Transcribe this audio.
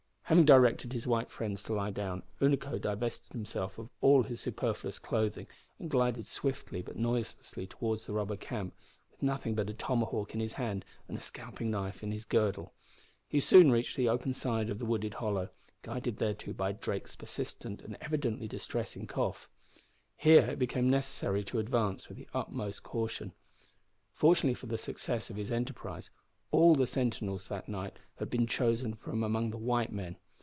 Having directed his white friends to lie down, Unaco divested himself of all superfluous clothing, and glided swiftly but noiselessly towards the robber camp, with nothing but a tomahawk in his hand and a scalping knife in his girdle. He soon reached the open side of the wooded hollow, guided thereto by Drake's persistent and evidently distressing cough. Here it became necessary to advance with the utmost caution. Fortunately for the success of his enterprise, all the sentinels that night had been chosen from among the white men.